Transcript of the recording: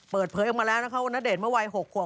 เปิดเผยออกมาแล้วนะครับว่านาเดตว่าวัย๖ขวบ